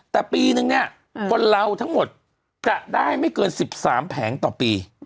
แต่ปีนึงเนี่ยคนเราทั้งหมดจะได้ไม่เกิน๑๓แผงต่อปี